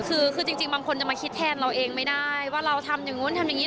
คือคือจริงบางคนจะมาคิดแทนเราเองไม่ได้ว่าเราทำอย่างนู้นทำอย่างนี้